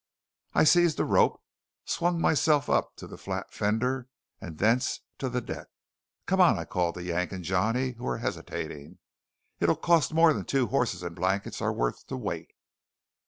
I seized a rope, swung myself up to the flat fender, and thence to the deck. "Come on!" I called to Yank and Johnny, who were hesitating. "It'll cost more than those horses and blankets are worth to wait."